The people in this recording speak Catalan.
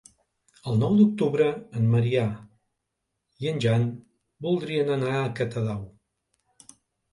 El nou d'octubre en Maria i en Jan voldrien anar a Catadau.